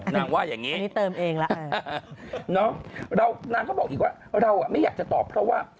นางว่าอย่างนี้นางก็บอกอีกว่าเราไม่อยากจะตอบเพราะว่า